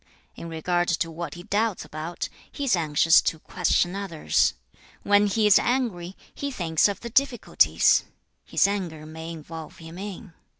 In regard to what he doubts about, he is anxious to question others. When he is angry, he thinks of the difficulties (his anger may involve him in).